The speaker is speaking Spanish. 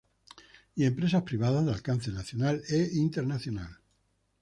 Y empresas privadas de alcance nacional e internacional.